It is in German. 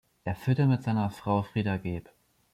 Er führte mit seiner Frau Frieda geb.